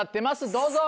どうぞ。